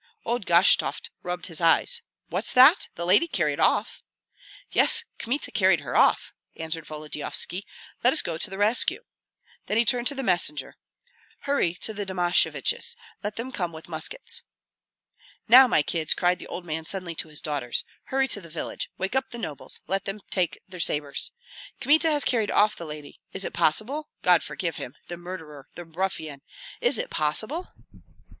Old Gashtovt rubbed his eyes. "What's that? The lady carried off?" "Yes; Kmita carried her off," answered Volodyovski. "Let us go to the rescue!" Then he turned to the messenger: "Hurry to the Domasheviches; let them come with muskets." "Now, my kids," cried the old man suddenly to his daughters, "hurry to the village, wake up the nobles, let them take their sabres! Kmita has carried off the lady is it possible God forgive him, the murderer, the ruffian! Is it possible?"